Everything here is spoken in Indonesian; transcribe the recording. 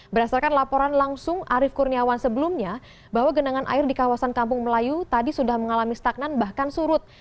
berdasarkan laporan langsung arief kurniawan sebelumnya bahwa genangan air di kawasan kampung melayu tadi sudah mengalami stagnan bahkan surut